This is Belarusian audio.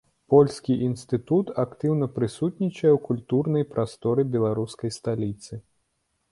Польскі інстытут актыўна прысутнічае у культурнай прасторы беларускай сталіцы.